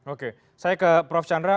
oke saya ke prof chandra